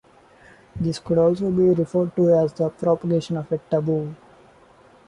This could also be referred to as the propagation of a taboo.